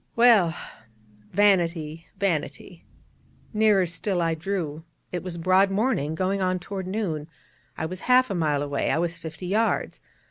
_' Well, vanity, vanity. Nearer still I drew: it was broad morning, going on toward noon: I was half a mile away, I was fifty yards.